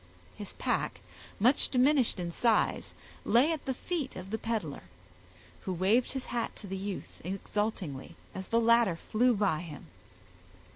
His pack, much diminished in size, lay at the feet of the peddler, who waved his hat to the youth, exultingly, as the latter flew by him.